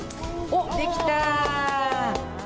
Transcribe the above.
おっ、できた。